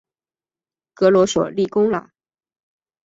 格罗索立功啦！